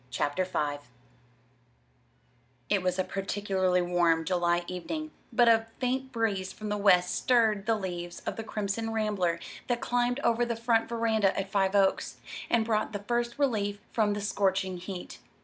CHAPTER V It was a particularly warm July evening, but a faint breeze from the west stirred the leaves of the Crimson Rambler that climbed over the front veranda at Five Oaks, and brought the first relief from the scorching heat.